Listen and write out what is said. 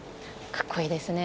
かっこいいですね。